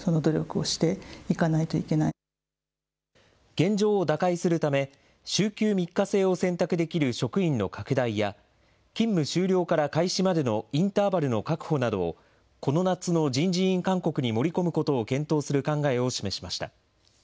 現状を打開するため、週休３日制を選択できる職員の拡大や、勤務終了から開始までのインターバルの確保などをこの夏の人事院勧告に盛り込むことを検討する考えを示しました。